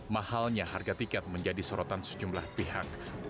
mahalnya harga tiket menjadi sorotan sejumlah pihak